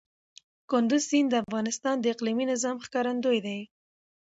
کندز سیند د افغانستان د اقلیمي نظام ښکارندوی دی.